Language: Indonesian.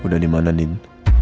udah dimana nien